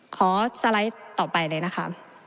สไลด์ต่อไปเลยนะคะ